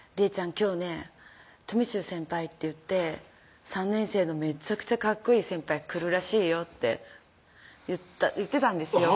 今日ねとみしゅう先輩っていって３年生のめっちゃくちゃかっこいい先輩来るらしいよ」って言ってたんですよ